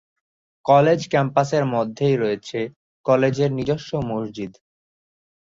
College ক্যাম্পাসের মধ্যেই রয়েছে কলেজের নিজস্ব মসজিদ।